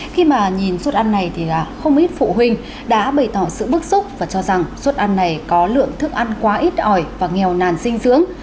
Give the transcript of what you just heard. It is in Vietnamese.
khi mà nhìn suất ăn này thì không ít phụ huynh đã bày tỏ sự bức xúc và cho rằng suất ăn này có lượng thức ăn quá ít ỏi và nghèo nàn dinh dưỡng